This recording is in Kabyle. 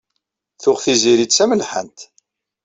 Tuɣ Tiziri d tamelḥant.